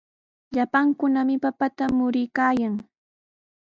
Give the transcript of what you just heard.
Llapankunami papata muruykaayan.